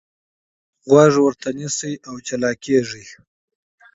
غوږ ورته نه نیسئ او متفرق کېږئ.